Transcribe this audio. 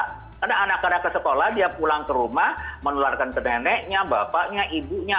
karena anak anak ke sekolah dia pulang ke rumah menularkan ke neneknya bapaknya ibunya